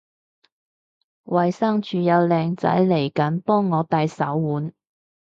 衛生署有靚仔嚟緊幫我戴手環